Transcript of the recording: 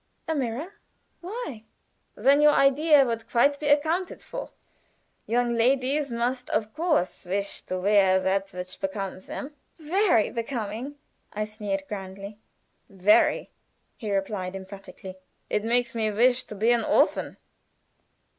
"A mirror! Why?" "Then your idea would quite be accounted for. Young ladies must of course wish to wear that which becomes them." "Very becoming!" I sneered, grandly. "Very," he replied, emphatically. "It makes me wish to be an orphan."